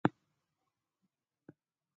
احمد مو پرون له علي سره سترګې پر سترګو کړ.